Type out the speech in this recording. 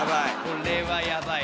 これはヤバい。